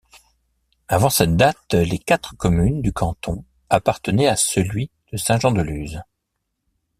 Avant cette date, les quatre communes du canton appartenaient à celui de Saint-Jean-de-Luz.